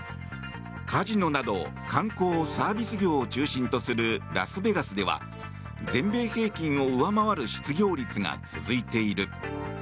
カジノなど観光・サービス業を中心とするラスベガスでは全米平均を上回る失業率が続いている。